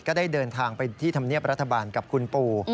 ก็ได้เดินทางไปที่ธรรมเนียบรัฐบาลกับคุณปู่